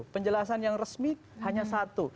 penjelasan yang resmi hanya satu